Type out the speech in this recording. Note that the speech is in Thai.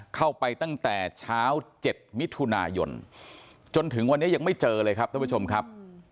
เข้าไปตั้งแต่เช้า๗มิถุนายนจนถึงวันนี้ยังไม่เจอเลยครับท่านผู้ชมครับ